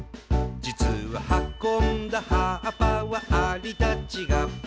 「じつははこんだ葉っぱはアリたちが」